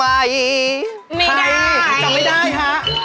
ไม่ได้จำไม่ได้ฮะ